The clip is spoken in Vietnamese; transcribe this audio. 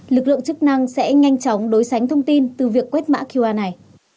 lực lượng chức năng sẽ nhanh chóng đối sánh thông tin từ việc quét mã qr này